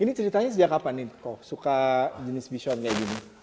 ini ceritanya sejak kapan nih kok suka jenis bison kayak gini